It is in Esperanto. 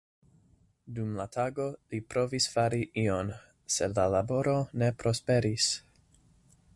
Dum la tago li provis fari ion, sed la laboro ne prosperis.